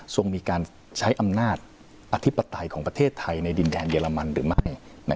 มีการใช้อำนาจอธิปไตยของประเทศไทยในดินแดนเรมันหรือไม่